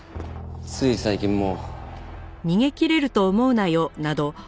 つい最近も。